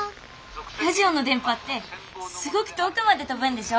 ラジオの電波ってすごく遠くまで飛ぶんでしょ？